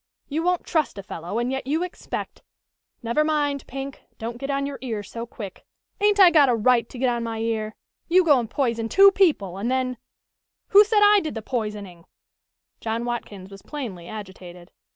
You won't trust a fellow, and yet you expect " "Never mind, Pink, don't get on your ear so quick " "Ain't I got a right to get on my ear? You go and poison two people and then " "Who said I did the poisoning?" John Watkins was plainly agitated.